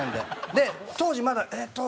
で当時まだえっと